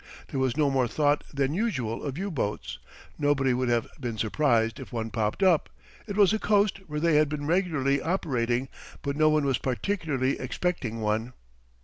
There was no more thought than usual of U boats. Nobody would have been surprised if one popped up it was a coast where they had been regularly operating but no one was particularly expecting one.